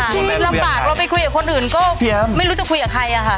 ที่ลำบากเราไปคุยกับคนอื่นก็ไม่รู้จะคุยกับใครอะค่ะ